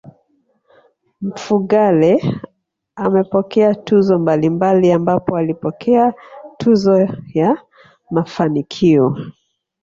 Mfugale amepokea tuzo mbalimbali ambapo alipokea tuzo ya mafanikio